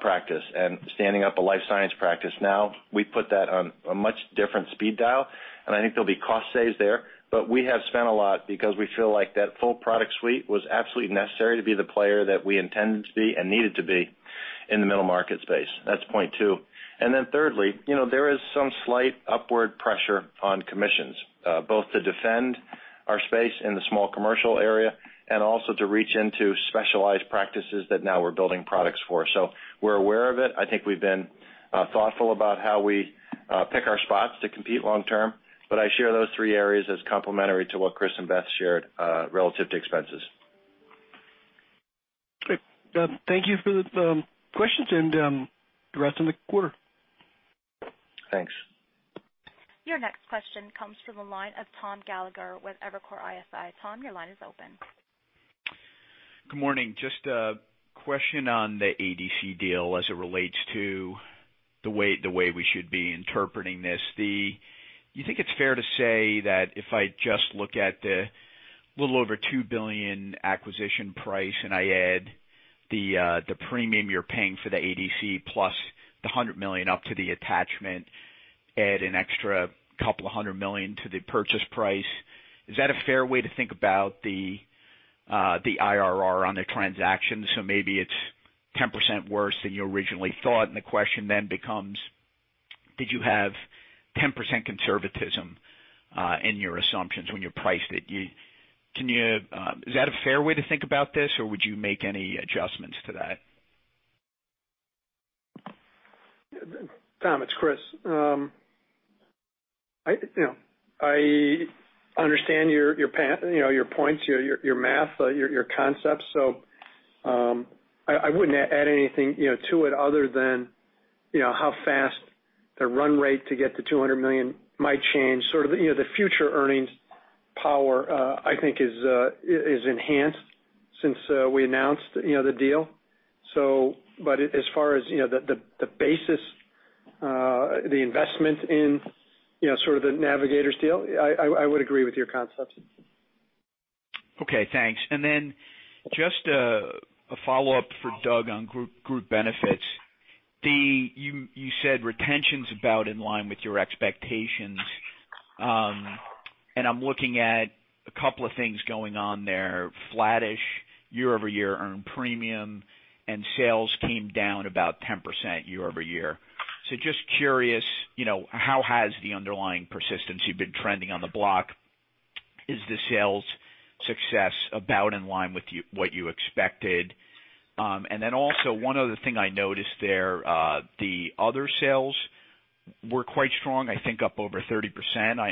practice and standing up a life science practice now, we put that on a much different speed dial, I think there'll be cost saves there. We have spent a lot because we feel like that full product suite was absolutely necessary to be the player that we intended to be and needed to be in the middle market space. That's point two. Thirdly, there is some slight upward pressure on commissions, both to defend our space in the small commercial area and also to reach into specialized practices that now we're building products for. We're aware of it. I think we've been thoughtful about how we pick our spots to compete long term, but I share those three areas as complementary to what Chris and Beth shared relative to expenses. Great. Thank you for the questions and the rest of the quarter. Thanks. Your next question comes from the line of Thomas Gallagher with Evercore ISI. Tom, your line is open. Good morning. Just a question on the ADC deal as it relates to the way we should be interpreting this. Do you think it's fair to say that if I just look at the little over $2 billion acquisition price and I add the premium you're paying for the ADC plus the $100 million up to the attachment, add an extra couple of $100 million to the purchase price. Is that a fair way to think about the IRR on the transaction? Maybe it's 10% worse than you originally thought, and the question then becomes, did you have 10% conservatism in your assumptions when you priced it? Is that a fair way to think about this, or would you make any adjustments to that? Tom, it's Chris. I understand your points, your math, your concepts. I wouldn't add anything to it other than how fast the run rate to get to $200 million might change. Sort of the future earnings power, I think is enhanced since we announced the deal. As far as the basis The investment in sort of the Navigators deal. I would agree with your concepts. Okay, thanks. Just a follow-up for Doug on group benefits. You said retention's about in line with your expectations, and I'm looking at a couple of things going on there. Flat-ish year-over-year earned premium and sales came down about 10% year-over-year. Just curious, how has the underlying persistency been trending on the block? Is the sales success about in line with what you expected? Also, one other thing I noticed there, the other sales were quite strong, I think up over 30%.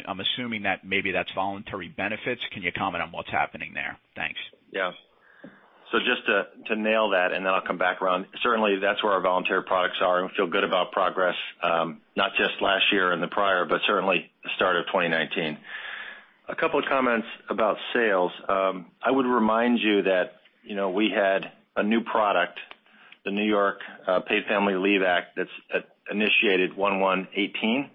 I'm assuming that maybe that's voluntary benefits. Can you comment on what's happening there? Thanks. Yeah. Just to nail that, and then I'll come back around. Certainly, that's where our voluntary products are, and we feel good about progress, not just last year and the prior, but certainly the start of 2019. A couple of comments about sales. I would remind you that we had a new product, the New York State Paid Family Leave, that initiated one one 2018.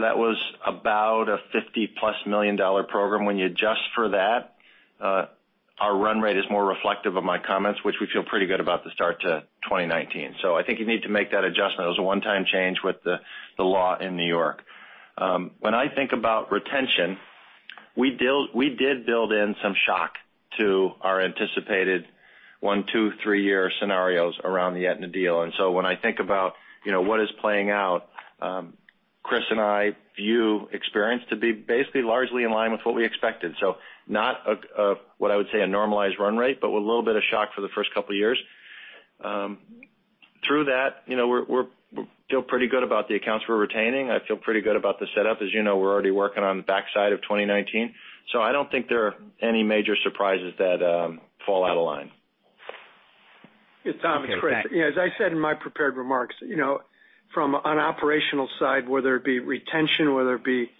That was about a $50-plus million program. When you adjust for that, our run rate is more reflective of my comments, which we feel pretty good about the start to 2019. I think you need to make that adjustment. It was a one-time change with the law in New York. When I think about retention, we did build in some shock to our anticipated one, two, three-year scenarios around the Aetna deal. When I think about what is playing out, Chris and I view experience to be basically largely in line with what we expected. Not what I would say a normalized run rate, but with a little bit of shock for the first couple of years. Through that, we feel pretty good about the accounts we're retaining. I feel pretty good about the setup. As you know, we're already working on the backside of 2019. I don't think there are any major surprises that fall out of line. Okay, thanks. Hey Tom, it's Chris. As I said in my prepared remarks, from an operational side, whether it be retention, whether it be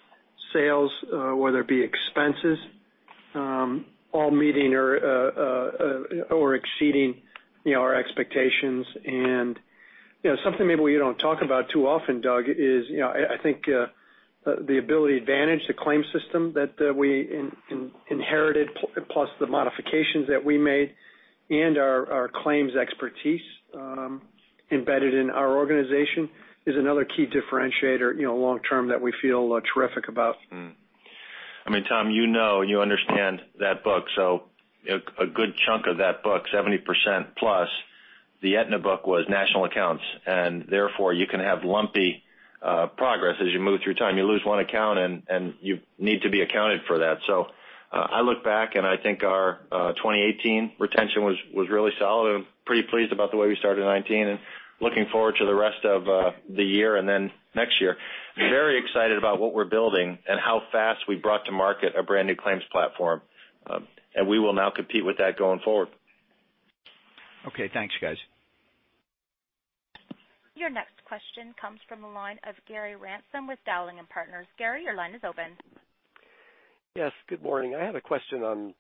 sales, whether it be expenses, all meeting or exceeding our expectations. Something maybe we don't talk about too often, Doug, is I think the Ability Advantage, the claim system that we inherited, plus the modifications that we made and our claims expertise embedded in our organization is another key differentiator long term that we feel terrific about. Tom, you know, you understand that book. A good chunk of that book, 70% plus the Aetna book was national accounts, and therefore, you can have lumpy progress as you move through time. You lose one account, and you need to be accounted for that. I look back, and I think our 2018 retention was really solid. I'm pretty pleased about the way we started 2019 and looking forward to the rest of the year and then next year. Very excited about what we're building and how fast we brought to market a brand-new claims platform, and we will now compete with that going forward. Okay, thanks, guys. Your next question comes from the line of Gary Ransom with Dowling & Partners. Gary, your line is open. Yes, good morning. I have a question on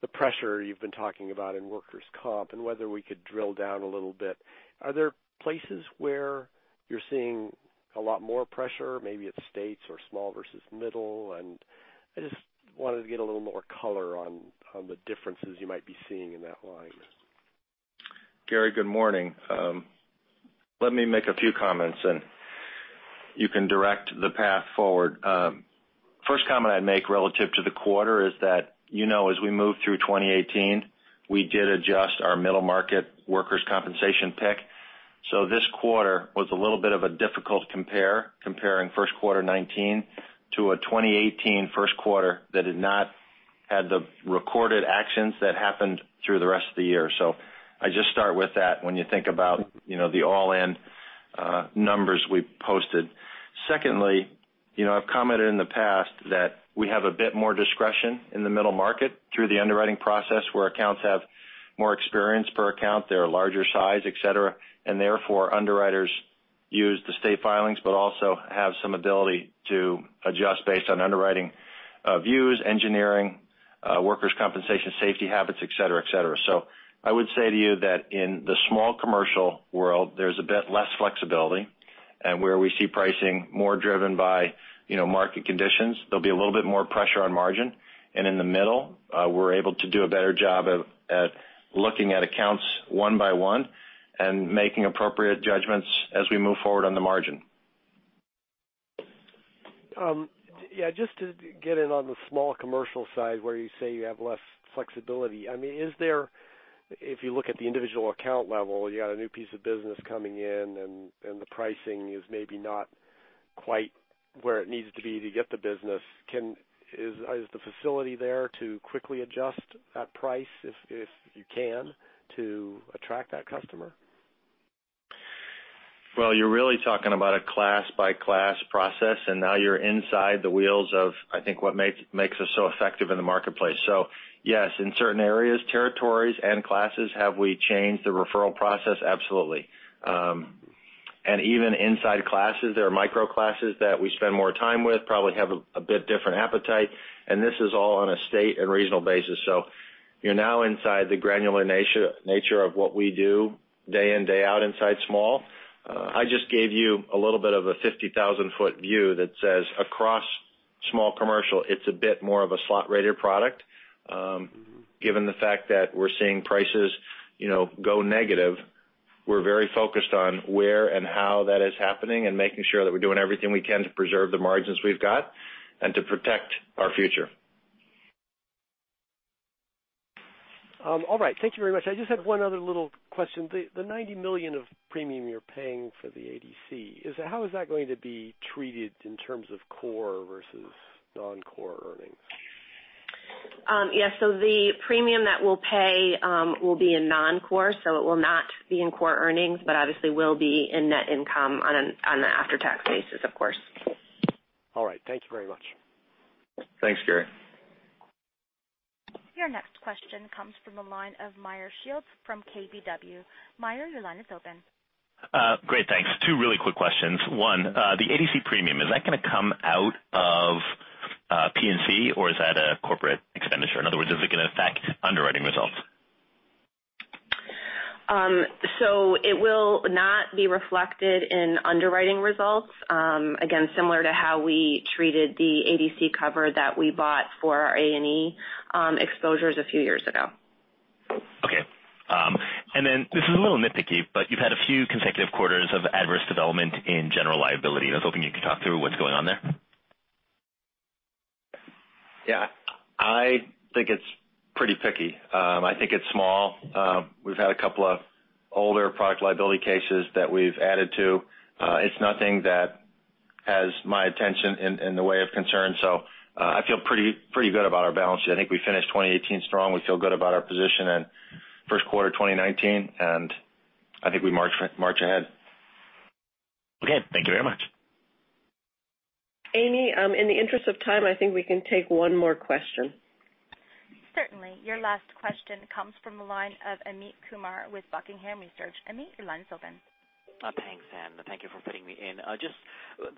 the pressure you've been talking about in workers' comp and whether we could drill down a little bit. Are there places where you're seeing a lot more pressure? Maybe it's states or small versus middle. I just wanted to get a little more color on the differences you might be seeing in that line. Gary, good morning. Let me make a few comments, and you can direct the path forward. First comment I'd make relative to the quarter is that you know as we move through 2018, we did adjust our middle market workers' compensation pick. This quarter was a little bit of a difficult compare, comparing first quarter 2019 to a 2018 first quarter that did not have the recorded actions that happened through the rest of the year. I just start with that when you think about the all-in numbers we posted. Secondly, I've commented in the past that we have a bit more discretion in the middle market through the underwriting process where accounts have more experience per account, they're larger size, et cetera, and therefore, underwriters use the state filings but also have some ability to adjust based on underwriting views, engineering, workers' compensation, safety habits, et cetera. I would say to you that in the small commercial world, there's a bit less flexibility, and where we see pricing more driven by market conditions, there'll be a little bit more pressure on margin. In the middle, we're able to do a better job at looking at accounts one by one and making appropriate judgments as we move forward on the margin. Just to get in on the small commercial side where you say you have less flexibility. If you look at the individual account level, you got a new piece of business coming in, and the pricing is maybe not quite where it needs to be to get the business. Is the facility there to quickly adjust that price if you can to attract that customer? You're really talking about a class-by-class process, and now you're inside the wheels of, I think, what makes us so effective in the marketplace. Yes, in certain areas, territories, and classes, have we changed the referral process? Absolutely. Even inside classes, there are micro classes that we spend more time with, probably have a bit different appetite, and this is all on a state and regional basis. You're now inside the granular nature of what we do day in, day out inside small. I just gave you a little bit of a 50,000-foot view that says across small commercial, it's a bit more of a slot rater product. Given the fact that we're seeing prices go negative, we're very focused on where and how that is happening and making sure that we're doing everything we can to preserve the margins we've got and to protect our future. All right. Thank you very much. I just had one other little question. The $90 million of premium you're paying for the ADC, how is that going to be treated in terms of core versus non-core earnings? Yes. The premium that we'll pay will be in non-core, so it will not be in core earnings, but obviously will be in net income on an after-tax basis, of course. All right. Thank you very much. Thanks, Gary. Your next question comes from the line of Meyer Shields from KBW. Meyer, your line is open. Great, thanks. Two really quick questions. One, the ADC premium, is that going to come out of P&C, or is that a corporate expenditure? In other words, is it going to affect underwriting results? It will not be reflected in underwriting results. Again, similar to how we treated the ADC cover that we bought for our A&E exposures a few years ago. Okay. This is a little nitpicky, but you've had a few consecutive quarters of adverse development in general liability, I was hoping you could talk through what's going on there. Yeah. I think it's pretty picky. I think it's small. We've had a couple of older product liability cases that we've added to. It's nothing that has my attention in the way of concern. I feel pretty good about our balance sheet. I think we finished 2018 strong. We feel good about our position in first quarter 2019, and I think we march ahead. Okay. Thank you very much. Amy, in the interest of time, I think we can take one more question. Certainly. Your last question comes from the line of Amit Kumar with Buckingham Research. Amit, your line's open. Thanks, Anne. Thank you for fitting me in. Just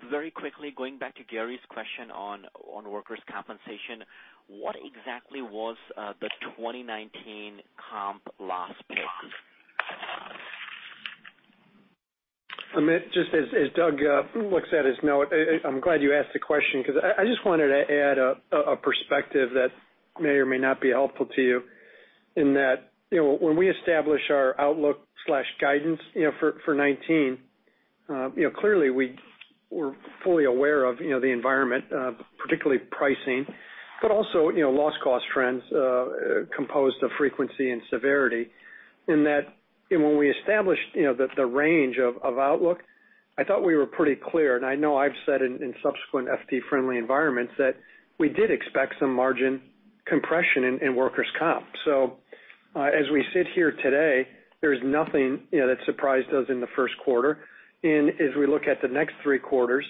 very quickly, going back to Gary's question on workers' compensation, what exactly was the 2019 comp loss pick? Amit, just as Doug looks at his note, I am glad you asked the question because I just wanted to add a perspective that may or may not be helpful to you in that when we establish our outlook/guidance for 2019, clearly, we are fully aware of the environment, particularly pricing, but also loss cost trends composed of frequency and severity in that when we established the range of outlook, I thought we were pretty clear, and I know I have said in subsequent FD friendly environments that we did expect some margin compression in workers' comp. As we sit here today, there is nothing that surprised us in the first quarter. As we look at the next three quarters,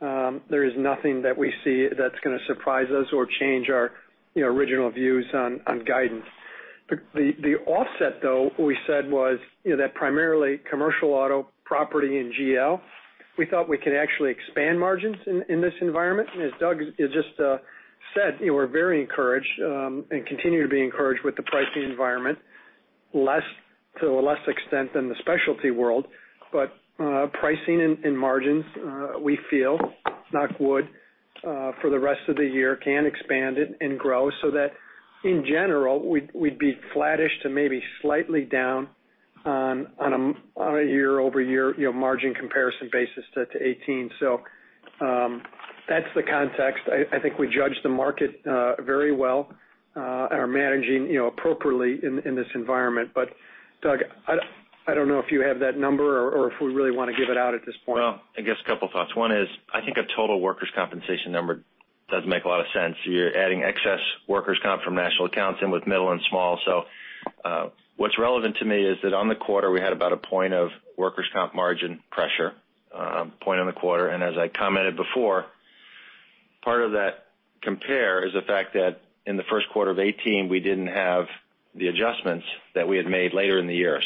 there is nothing that we see that is going to surprise us or change our original views on guidance. The offset, though, we said was that primarily commercial auto, property, and GL, we thought we could actually expand margins in this environment. As Doug just said, we are very encouraged, and continue to be encouraged with the pricing environment to a less extent than the specialty world. Pricing and margins, we feel, knock wood, for the rest of the year can expand and grow so that in general, we would be flattish to maybe slightly down on a year-over-year margin comparison basis to 2018. That is the context. I think we judge the market very well and are managing appropriately in this environment. Doug, I don't know if you have that number or if we really want to give it out at this point. Well, I guess a couple thoughts. One is, I think a total workers' compensation number does make a lot of sense. You are adding excess workers' comp from National Accounts in with middle and small. What is relevant to me is that on the quarter, we had about one point of workers' comp margin pressure, one point on the quarter. As I commented before, part of that compare is the fact that in the first quarter of 2018, we didn't have the adjustments that we had made later in the year.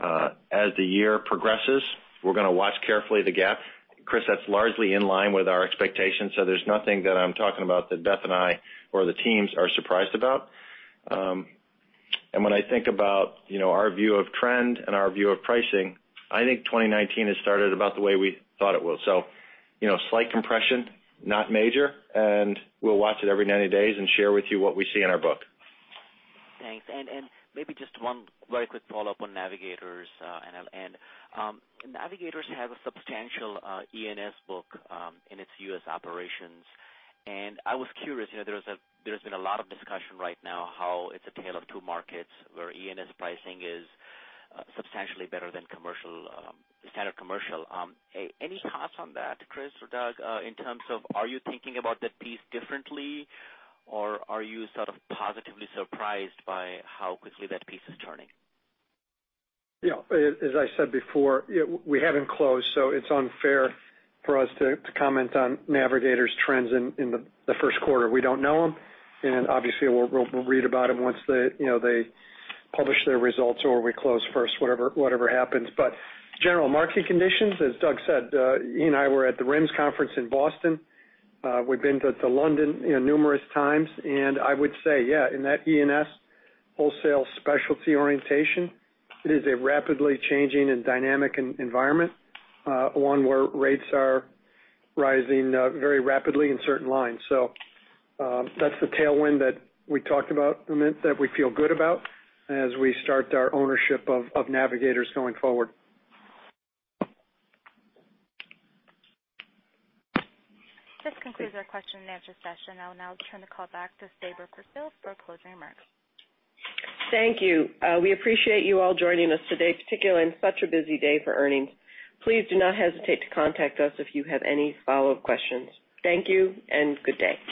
As the year progresses, we are going to watch carefully the gap. Chris, that is largely in line with our expectations. There is nothing that I am talking about that Beth and I or the teams are surprised about. When I think about our view of trend and our view of pricing, I think 2019 has started about the way we thought it would. Slight compression, not major, and we will watch it every 90 days and share with you what we see in our book. Thanks. Maybe just one very quick follow-up on Navigators. Navigators have a substantial E&S book in its U.S. operations. I was curious, there's been a lot of discussion right now how it's a tale of two markets where E&S pricing is substantially better than standard commercial. Any thoughts on that, Chris or Doug, in terms of, are you thinking about that piece differently, or are you sort of positively surprised by how quickly that piece is turning? As I said before, we haven't closed. It's unfair for us to comment on Navigators' trends in the first quarter. We don't know them. Obviously we'll read about them once they publish their results or we close first, whatever happens. General market conditions, as Doug said, he and I were at the RIMS conference in Boston. We've been to London numerous times. I would say, yeah, in that E&S wholesale specialty orientation, it is a rapidly changing and dynamic environment, one where rates are rising very rapidly in certain lines. That's the tailwind that we talked about, Amit, that we feel good about as we start our ownership of Navigators going forward. This concludes our question and answer session. I'll now turn the call back to Sabra Purtill for closing remarks. Thank you. We appreciate you all joining us today, particularly on such a busy day for earnings. Please do not hesitate to contact us if you have any follow-up questions. Thank you. Good day.